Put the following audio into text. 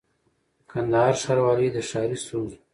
کندهار ښاروالۍ د ښاري ستونزو